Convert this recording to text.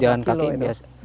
kalau jalan kaki biasanya